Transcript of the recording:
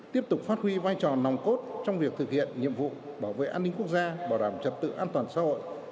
tiếp tục phát huy vai trò nòng cốt trong việc thực hiện nhiệm vụ bảo vệ an ninh quốc gia bảo đảm trật tự an toàn xã hội